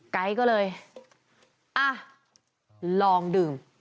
ไก๊ก็เลยอ่ะลองดื่ม